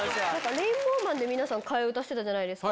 レインボーマンで皆さん、替え歌してたじゃないですか。